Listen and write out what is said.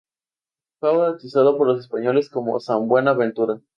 Fue bautizado por los españoles como "San Buena Ventura".